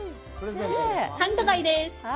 繁華街です。